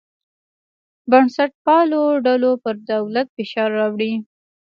بنسټپالو ډلو پر دولت فشار راوړی.